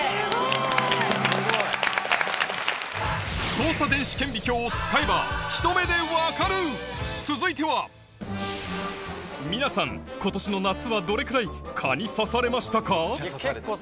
走査電子顕微鏡で見れば続いては皆さん今年の夏はどれくらい蚊に刺されましたか？